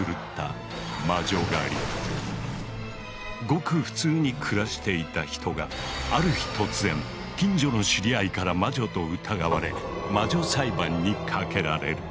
ごく普通に暮らしていた人がある日突然近所の知り合いから魔女と疑われ魔女裁判にかけられる。